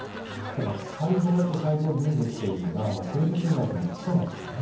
だから細胞と細胞分裂というのが生物学の基礎なんですね。